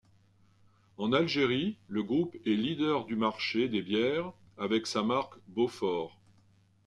En Algérie le groupe est leader du marché des bières avec sa marque Beaufort.